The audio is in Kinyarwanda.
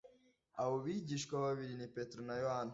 abo bigishwa babiri ni petero na yohana